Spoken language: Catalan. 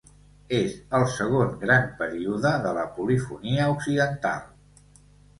És el segon gran període de la polifonia occidental.